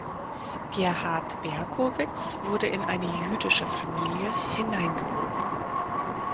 Gerhard Berkowitz wurde in eine jüdische Familie hineingeboren.